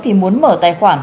thì muốn mở tài khoản